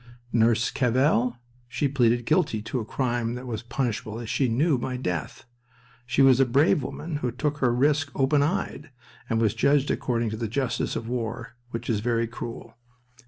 Nurse Cavell? She pleaded guilty to a crime that was punishable, as she knew, by death. She was a brave woman who took her risk open eyed, and was judged according to the justice of war, which is very cruel.